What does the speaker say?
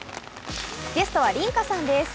ゲストは、梨花さんです。